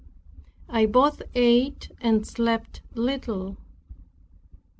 I both ate and slept little.